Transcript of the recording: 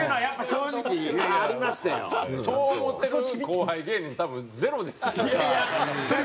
そう思ってる後輩芸人多分ゼロですよ。